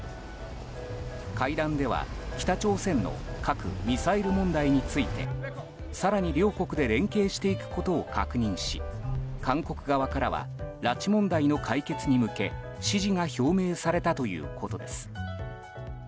会談では、北朝鮮の核・ミサイル問題について更に両国で連携していくことを確認し、韓国側からは拉致問題の解決に向け支持が表明されたということです。